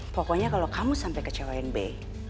pokoknya kalau kamu sampai kecewain be